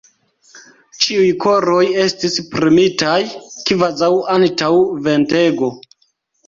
Ĉiuj koroj estis premitaj kvazaŭ antaŭ ventego.